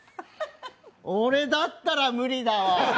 俺だったら無理だわ。